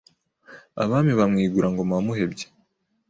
Abami ba Mwigurangoma wa Muhebyi